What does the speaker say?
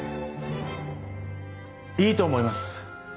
いいと思います！